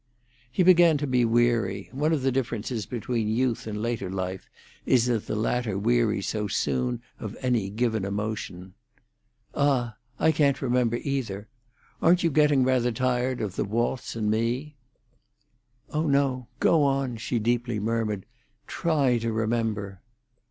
He began to be weary; one of the differences between youth and later life is that the latter wearies so soon of any given emotion. "Ah, I can't remember, either! Aren't you getting rather tired of the waltz and me?" "Oh no; go on!" she deeply murmured. "Try to remember."